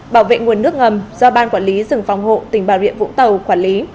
bảo vệ nguồn nước ngầm do ban quản lý rừng phòng hộ tỉnh bà rịa vũng tàu quản lý